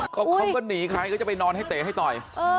เขาก็หนีใครก็จะไปนอนให้เตะให้ต่อย